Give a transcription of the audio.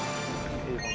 定番。